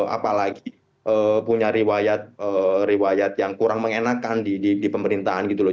apalagi punya riwayat yang kurang mengenakan di pemerintahan gitu loh